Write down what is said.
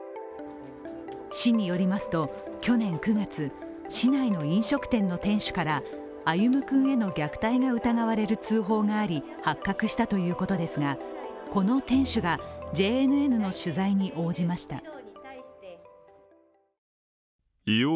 市によりますと、去年９月、市内の飲食店の店主から歩夢君への虐待が疑われる通報があり、発覚したということですが、この店主がＪＮＮの取材に応じました。